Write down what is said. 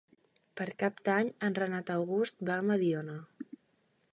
Per Cap d'Any en Renat August va a Mediona.